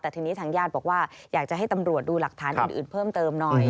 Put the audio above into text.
แต่ทีนี้ทางญาติบอกว่าอยากจะให้ตำรวจดูหลักฐานอื่นเพิ่มเติมหน่อย